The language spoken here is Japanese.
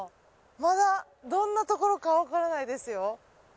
まだどんなところかわからないですよ。